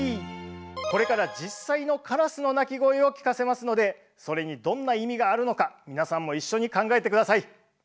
これから実際のカラスの鳴き声を聞かせますのでそれにどんな意味があるのか皆さんも一緒に考えて下さい。